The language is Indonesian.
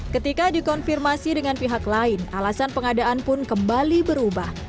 ketika dikonfirmasi dengan pihak lain alasan pengadaan pun kembali berubah